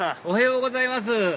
おはようございます